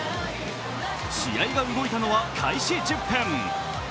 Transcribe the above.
試合が動いたのは開始１０分。